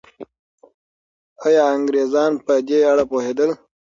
ایا انګریزان په دې اړه پوهېدل؟